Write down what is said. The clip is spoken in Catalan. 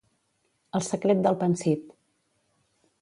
El secret del Pansit.